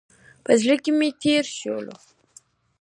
په زړه کې مې تېر شول.